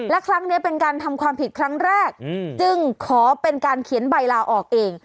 และครั้งนี้เป็นการทำความผิดครั้งแรกจึงขอเป็นการเขียนใบลาออกเอง